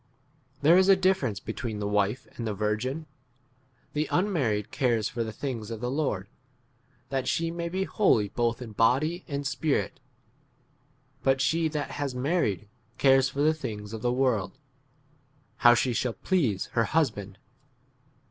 There is a difference between the wife and the virgin. The unmarried cares for the things of the Lord, that she may be holy both in body and spirit ; but she that has mar ried cares for the things of the world, how she shall please her 35 husband.